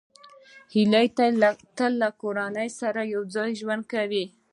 هیلۍ تل له کورنۍ سره یوځای ژوند کوي